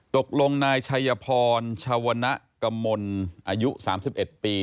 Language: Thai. ตกลงนายชัยพรชาวณกมลอายุ๓๑ปี